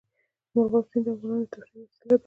مورغاب سیند د افغانانو د تفریح یوه وسیله ده.